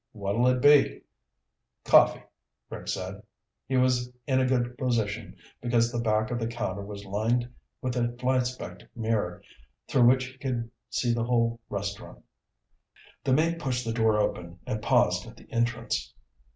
"What'll it be?" "Coffee," Rick said. He was in a good position, because the back of the counter was lined with a flyspecked mirror through which he could see the whole restaurant. The mate pushed the door open and paused at the entrance.